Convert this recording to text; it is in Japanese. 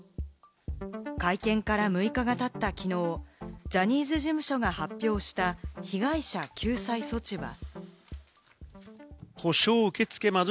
会見から６日が経ったきのう、ジャニーズ事務所が発表した被害者救済措置は。